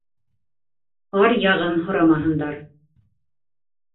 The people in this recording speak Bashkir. Аръяғын һорамаһындар.